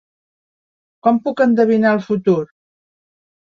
Com puc endevinar el futur?